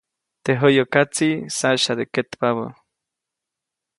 Teʼ jäyäkatsiʼ saʼsyade ketpabä.